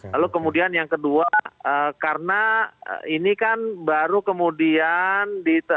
lalu kemudian yang kedua karena ini kan baru kemudian